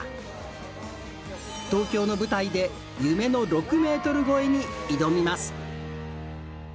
東京の舞台で夢の６ｍ超えに挑みます。